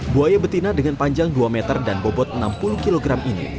buaya betina dengan panjang dua meter dan bobot enam puluh kg ini